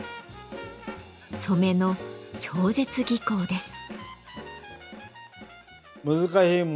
染めの超絶技巧です。